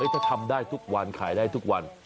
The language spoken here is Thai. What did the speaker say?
ถ้าทำได้ทุกวันขายได้ทุกวัน